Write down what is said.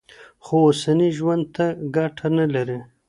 خو اوسني ژوند ته ګټه نه لري.